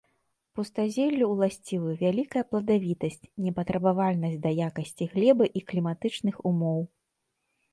Пустазеллю ўласцівы вялікая пладавітасць, непатрабавальнасць да якасці глебы і кліматычных умоў.